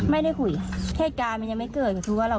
ไม่รู้ว่าเขาออกไปทำอะไรที่ห้องน้ำหรือเปล่า